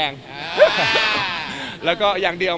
คุณพลอยก็เป็นอะไรอย่างนี้ครับ